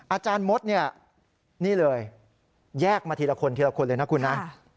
อาจารย์มดเนี่ยนี่เลยแยกมาทีละคนทีละคนเลยนะคุณนะ